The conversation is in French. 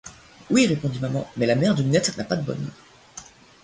Oui, répondit maman, mais la mère de Ninette n’a pas de bonne.